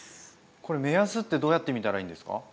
これ目安ってどうやって見たらいいんですか？